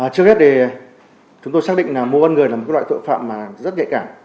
trước hết thì chúng tôi xác định là mô văn người là một loại tội phạm rất nhạy cả